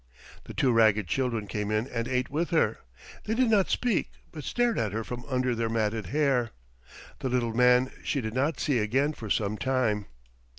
The two ragged children came in and ate with her. They did not speak, but stared at her from under their matted hair. The little man she did not see again for some time.